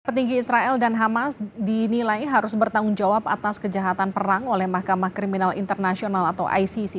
petinggi israel dan hamas dinilai harus bertanggung jawab atas kejahatan perang oleh mahkamah kriminal internasional atau icc